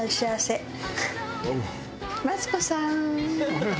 マツコさーん！